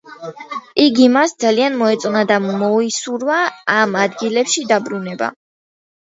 იგი მას ძალიან მოეწონა და მოისურვა ამ ადგილებში დაბრუნება.